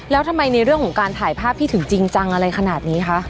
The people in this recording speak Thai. แล้วทำไมในเรื่องของการถ่ายภาพพี่ถึงจริงจังอะไรขนาดนี้คะ